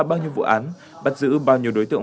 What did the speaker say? bao nhiêu vụ án bắt giữ bao nhiêu đối tượng